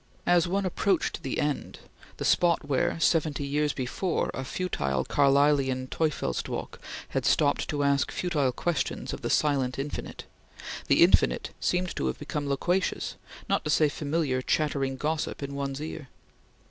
As one approached the end the spot where, seventy years before, a futile Carlylean Teufelsdrockh had stopped to ask futile questions of the silent infinite the infinite seemed to have become loquacious, not to say familiar, chattering gossip in one's ear.